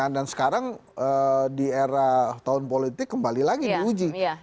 sekarang di era tahun politik kembali lagi diuji